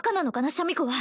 シャミ子は